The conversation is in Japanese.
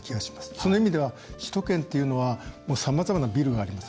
その意味では首都圏というのはさまざまなビルがあります。